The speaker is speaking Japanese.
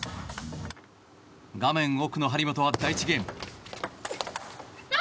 画面奥の張本は第１ゲーム。